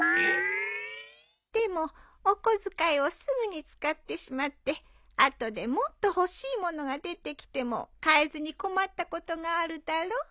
でもお小遣いをすぐに使ってしまって後でもっと欲しい物が出てきても買えずに困ったことがあるだろ？